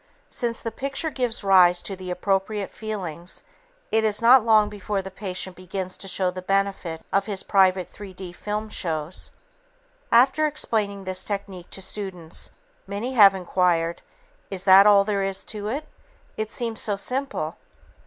Since the pictures give rise to the appropriate feelings, it is not long before the patient begins to show the benefit of his private '3 D' film shows." After explaining this technique to students, many have inquired, "Is that all there is to it? It seems so simple."